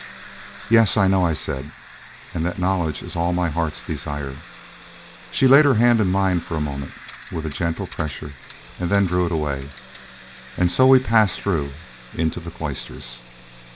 "Yes, I know," I said; "and that knowledge is all my heart's desire." She laid her hand in mine for a moment with a gentle pressure and then drew it away; and so we passed through into the cloisters.